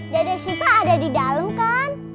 dada shipa ada di dalam kan